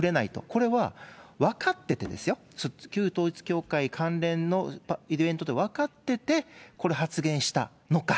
これは、分かっててですよ、旧統一教会関連のイベントと分かってて、これ、発言したのか。